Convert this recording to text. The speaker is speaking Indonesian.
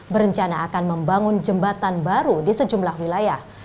berencana akan membangun jembatan baru di sejumlah wilayah